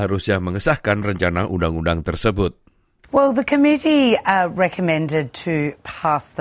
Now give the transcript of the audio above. untuk mengelakkan orang orang di jalan pengelak